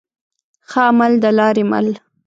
ښه عمل د لاري مل.